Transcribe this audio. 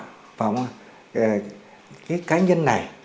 cái cá nhân này